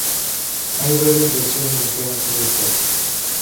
Hay varias versiones diferentes de Top.